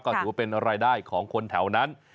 ก็ถือว่าเป็นรายได้ของคนแถวนั้น